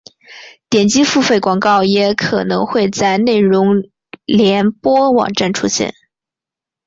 点击付费广告也可能会在内容联播网站出现。